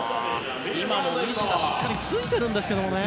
今の西田しっかりついてるんですけどね。